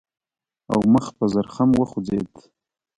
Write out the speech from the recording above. او مخ په زرخم وخوځېد.